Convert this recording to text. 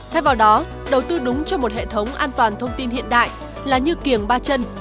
thay vào đó đầu tư đúng cho một hệ thống an toàn thông tin hiện đại là như kiềng ba chân